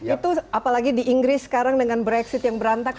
itu apalagi di inggris sekarang dengan brexit yang berantakan